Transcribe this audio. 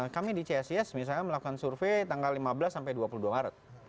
kami di csis misalnya melakukan survei tanggal lima belas sampai dua puluh dua maret